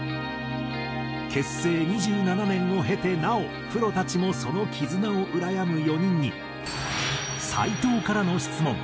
結成２７年を経てなおプロたちもその絆をうらやむ４人に斎藤からの質問。